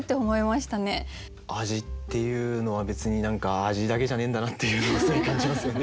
味っていうのは別に何か味だけじゃねえんだなっていうのをすごい感じますよね。